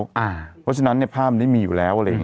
เพราะฉะนั้นภาพมันนี้มีอยู่แล้ว